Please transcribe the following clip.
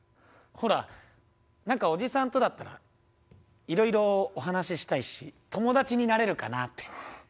ほら何かおじさんとだったらいろいろお話ししたいし友達になれるかなって。